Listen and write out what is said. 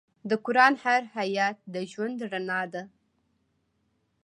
د قرآن هر آیت د ژوند رڼا ده.